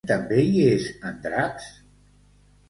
Aquest disseny també hi és en draps?